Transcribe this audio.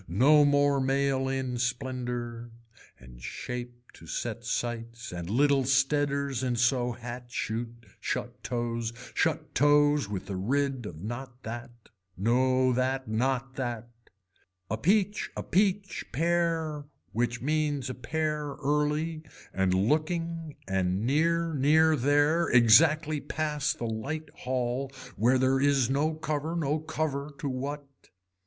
No more mail in splendor and shape to set sights and little steaders in so hat shoot, shut toes, shut toes with a rid of not that, no that, not that. A peach a peach pear which means a pear early and looking and near near there, exactly pass the light hall where there is no cover no cover to what.